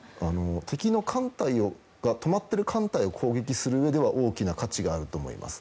敵の止まっている艦隊を攻撃するうえでは大きな価値があると思います。